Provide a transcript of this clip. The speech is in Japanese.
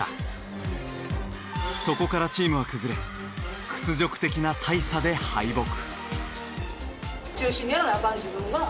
そこからチームは崩れ屈辱的な大差で敗北。